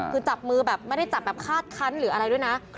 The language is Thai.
คือจับมือแบบไม่ได้จับแบบคาดคันหรืออะไรด้วยนะ